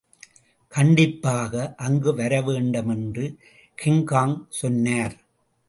கண்டிப்பாக அங்குவரவேண்டும் என்று கிங்காங் சொன்னார்.